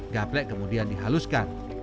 gaplek kemudian dihaluskan